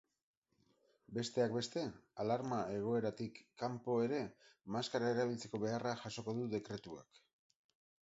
Besteak beste, alarma egoeratik kanpo ere maskara erabiltzeko beharra jasoko du dekretuak.